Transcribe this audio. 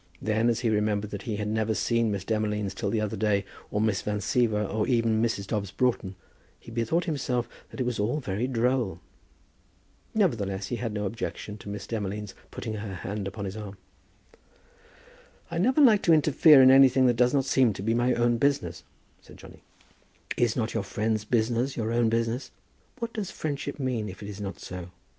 Then as he remembered that he had never seen Miss Demolines till the other day, or Miss Van Siever, or even Mrs. Dobbs Broughton, he bethought himself that it was all very droll. Nevertheless he had no objection to Miss Demolines putting her hand upon his arm. "I never like to interfere in anything that does not seem to be my own business," said Johnny. "Is not your friend's business your own business? What does friendship mean if it is not so?